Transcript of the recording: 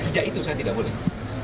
sejak itu saya tidak boleh